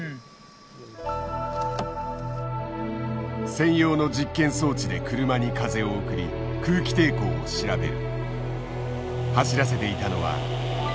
専用の実験装置で車に風を送り空気抵抗を調べる。